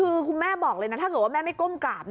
คือคุณแม่บอกเลยนะถ้าเกิดว่าแม่ไม่ก้มกราบ